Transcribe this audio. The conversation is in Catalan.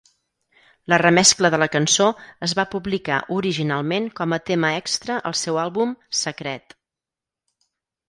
La remescla de la cançó es va publicar originalment com a tema extra al seu àlbum "secret".